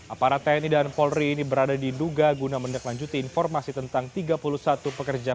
aparat tni dan polri ini berada di duga guna mendeklanjuti informasi tentang tiga puluh satu pekerja